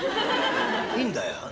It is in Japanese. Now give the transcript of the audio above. いいんだよ」。